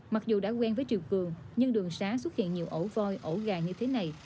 mặc dù đã quen với chiều cường nhưng đường xá xuất hiện nhiều ổ voi ổ gà như thế này